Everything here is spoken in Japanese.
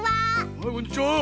はいこんにちは。